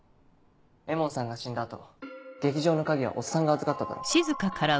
絵門さんが死んだ後劇場の鍵はおっさんが預かっただろ。